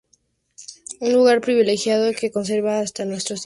Un lugar privilegiado que conserva hasta nuestro días.